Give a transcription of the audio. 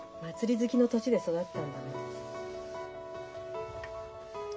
好きの土地で育ったんだもの。